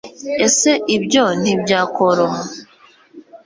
ese ibyo ntibyakoroha